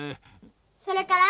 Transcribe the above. それから？